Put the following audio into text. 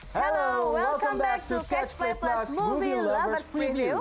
halo selamat datang kembali di catch play plus movie lovers preview